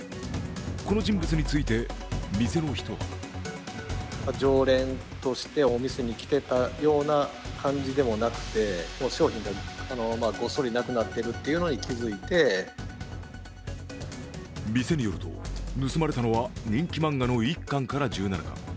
この人物について店の人は店によると盗まれたのは人気漫画の１巻から１７巻。